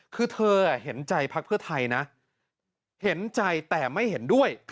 คือเธอเห็นใจพักเพื่อไทยนะเห็นใจแต่ไม่เห็นด้วย